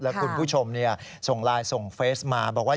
แล้วคุณผู้ชมส่งไลน์ส่งเฟสมาบอกว่า